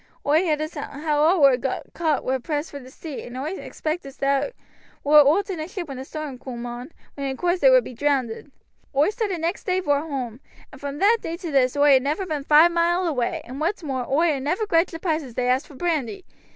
Oi heerd as how all as war caught war pressed for sea, and oi expect they war oot in a ship when a storm coom on, when in coorse they would be drownded. Oi started next day vor hoam, and from that day to this oi ha' never been five mile away, and what's more, oi ha' never grudged the price as they asked for brandy.